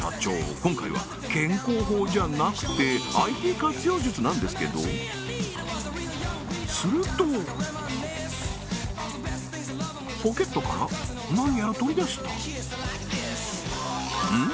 今回は健康法じゃなくてＩＴ活用術なんですけどするとポケットから何やら取り出したうん？